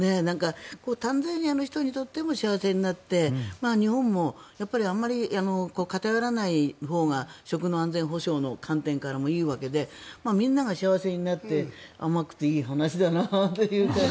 タンザニアの人にとっても幸せになって日本もやっぱりあまり偏らないほうが食の安全保障の観点からもいいわけでみんなが幸せになって甘くていい話だなって。